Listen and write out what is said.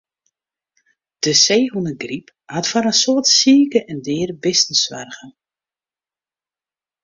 De seehûnegryp hat foar in soad sike en deade bisten soarge.